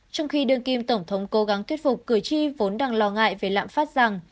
trong khi đương kim tổng thống cố gắng thuyết phục cử tri vốn đang lo ngại về lạm phát rằng